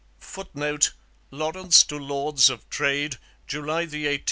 [Footnote: Lawrence to Lords of Trade, July 18, 1755.